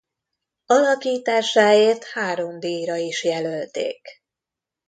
Alakításáért három díjra is jelölték.